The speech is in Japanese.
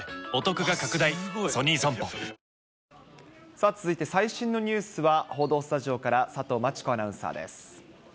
さあ、続いて最新のニュースは報道スタジオから佐藤真知子アナウンサー